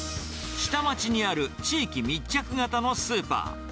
下町にある地域密着型のスーパー。